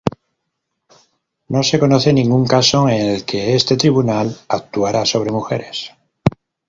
No se conoce ningún caso en el que este tribunal actuara sobre mujeres.